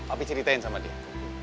papi ceritain sama dia